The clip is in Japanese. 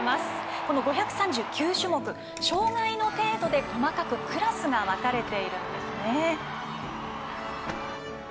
この５３９種目、障がいの程度で細かくクラスが分かれているんですね。